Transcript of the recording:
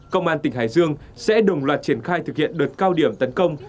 công an tỉnh hải dương sẽ đồng loạt triển khai thực hiện đợt cao điểm tấn công